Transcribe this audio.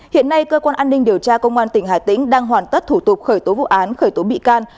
hiện nay cơ quan an ninh điều tra công an tỉnh hà tĩnh đang hoàn tất thủ tục khởi tố vụ án khởi tố bị can